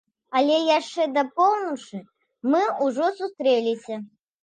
Але яшчэ да паўночы мы ўжо сустрэліся.